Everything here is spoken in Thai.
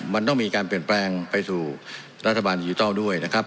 มันต้องมีการเปลี่ยนแปลงไปสู่รัฐบาลดิจิทัลด้วยนะครับ